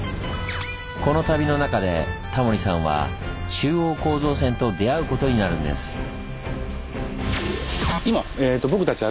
この旅の中でタモリさんは中央構造線と出会うことになるんです。